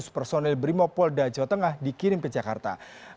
empat ratus personil brimopolda jawa tengah dikirim ke jakarta